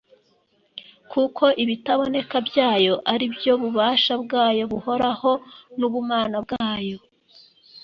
kuko ibitaboneka byayo ari byo bubasha bwayo buhoraho n’ubumana bwayo